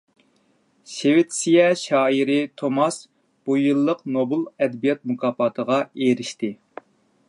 شىۋېتسىيە شائىرى توماس بۇ يىللىق نوبېل ئەدەبىيات مۇكاپاتىغا ئېرىشتى.